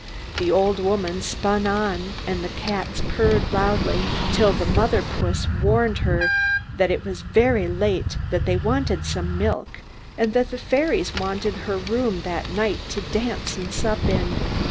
The old woman spun on, and the cats purred loudly, till the mother puss warned her that it was very late, that they wanted some milk, and that the fairies wanted her room that night to dance and sup in.